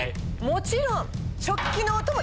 もちろん。